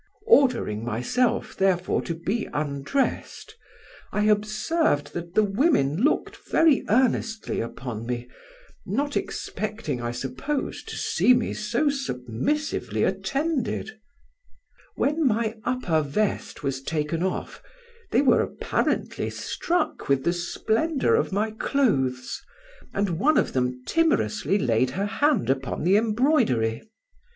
Ordering myself, therefore, to be undressed, I observed that the women looked very earnestly upon me, not expecting, I suppose, to see me so submissively attended. When my upper vest was taken off, they were apparently struck with the splendour of my clothes, and one of them timorously laid her hand upon the embroidery.